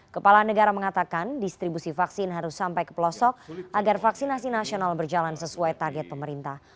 kepala negara mengatakan distribusi vaksin harus sampai ke pelosok agar vaksinasi nasional berjalan sesuai target pemerintah